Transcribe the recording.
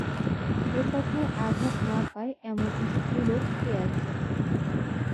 এ কথায় আঘাত না পায় এমন স্ত্রীলোক কে আছে।